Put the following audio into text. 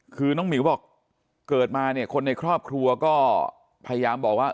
คือน้องหมิวบอกเกิดมาเนี่ยคนในครอบครัวก็พยายามบอกว่า